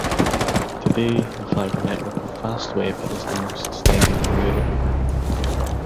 Today the Fiber Network of Fastweb is the most extended in Europe.